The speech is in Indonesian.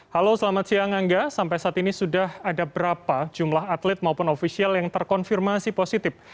halo selamat siang angga sampai saat ini sudah ada berapa jumlah atlet maupun ofisial yang terkonfirmasi positif